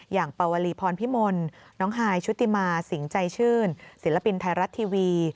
ปวลีพรพิมลน้องฮายชุติมาสิงห์ใจชื่นศิลปินไทยรัฐทีวี